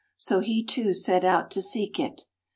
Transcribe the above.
So he, too, set out to seek it.